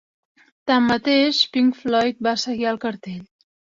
Tanmateix, Pink Floyd va seguir al cartell.